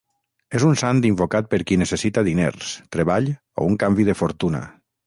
És un sant invocat per qui necessita diners, treball o un canvi de fortuna.